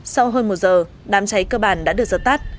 sau hơn một giờ đám cháy cơ bản đã được dập tắt